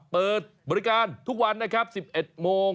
เปิดบริการทุกวันนะครับ๑๑โมง